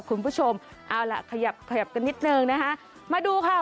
คุณผู้ชมเอาล่ะขยับขยับกันนิดนึงนะคะมาดูค่ะ